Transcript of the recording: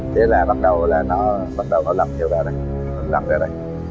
thế là bắt đầu là nó lặn theo ra đây lặn ra đây